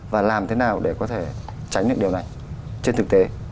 và làm thế nào để có thể tránh được điều này trên thực tế